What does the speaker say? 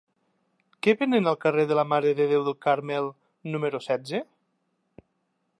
Què venen al carrer de la Mare de Déu del Carmel número setze?